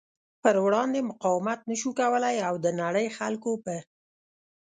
پر وړاندې مقاومت نشو کولی او د نړۍ خلکو په